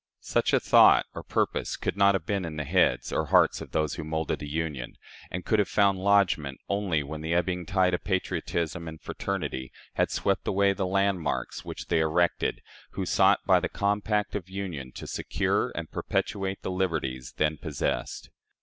Such a thought or purpose could not have been in the heads or hearts of those who molded the Union, and could have found lodgment only when the ebbing tide of patriotism and fraternity had swept away the landmarks which they erected who sought by the compact of union to secure and perpetuate the liberties then possessed.